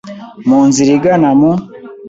mu nzira igana mu